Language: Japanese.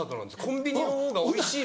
コンビニの方がおいしいのが。